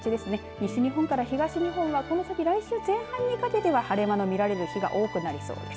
西日本から東日本は来週前半にかけては晴れ間が見られる日が多くなりそうです。